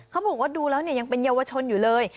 เขาบอกว่าดูแล้วเนี่ยยังเป็นเยาวชนอยู่เลย